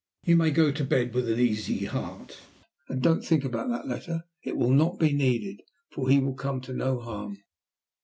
You may go to bed with an easy heart, and don't think about that letter. It will not be needed, for he will come to no harm."